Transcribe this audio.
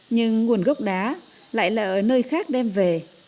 nhưng nguồn gốc đá lại là ở nơi khác đem về